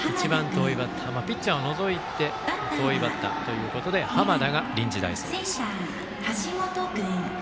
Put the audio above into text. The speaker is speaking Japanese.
ピッチャーを除いて、一番遠いバッターということで濱田が臨時代走です。